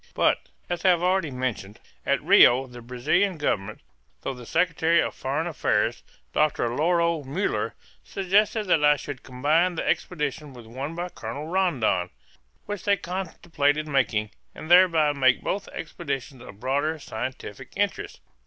But, as I have already mentioned, at Rio the Brazilian Government, through the secretary of foreign affairs, Doctor Lauro Muller, suggested that I should combine the expedition with one by Colonel Rondon, which they contemplated making, and thereby make both expeditions of broader scientific interest.